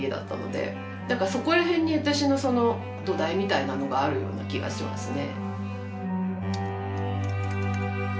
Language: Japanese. だからそこら辺に私のその土台みたいなのがあるような気がしますね。